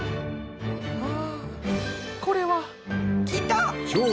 あこれは！きた！